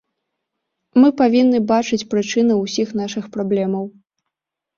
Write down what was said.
Мы павінны бачыць прычыну ўсіх нашых праблемаў.